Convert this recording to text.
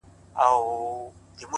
تکرار عادتونه جوړوي؛